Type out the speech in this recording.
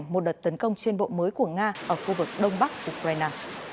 một đợt tấn công trên bộ mới của nga ở khu vực đông bắc của ukraine